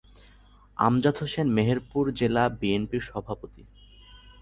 আমজাদ হোসেন মেহেরপুর জেলা বিএনপির সভাপতি।